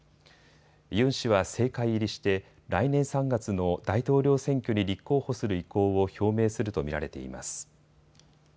ユン氏は政界入りして来年３月の大統領選挙に立候補する意向を表明すると見られています。